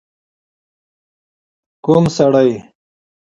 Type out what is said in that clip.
ک و م سړی؟